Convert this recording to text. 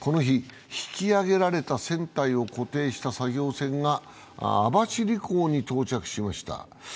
この日、引き揚げられた船体を固定した作業船が網走港に到着しました。